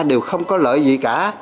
đều không có lợi gì cả